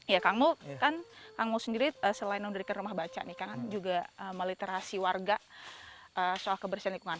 ya kang mol kan kang mol sendiri selain nondriker rumah baca nih kan juga meliterasi warga soal kebersihan lingkungan